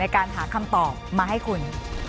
การหาคำตอบมาให้คุณ